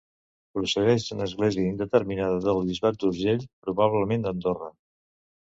Procedeix d'una església indeterminada del bisbat d'Urgell, probablement d'Andorra.